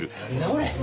これ。